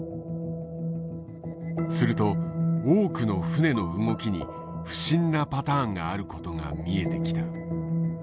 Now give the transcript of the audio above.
すると多くの船の動きに不審なパターンがあることが見えてきた。